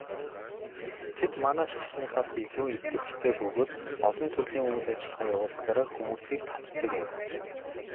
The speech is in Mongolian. Тэд манай шашныхаас илүү идэвхтэй бөгөөд олон төрлийн үйл ажиллагаа явуулдгаараа хүмүүсийг татдаг юм.